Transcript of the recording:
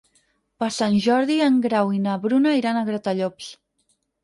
Per Sant Jordi en Grau i na Bruna iran a Gratallops.